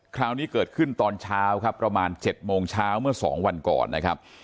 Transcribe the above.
คราวนี้เกิดขึ้นตอนเช้าครับประมาณ๗โมงเช้าเมื่อ๒วันก่อนนะครับ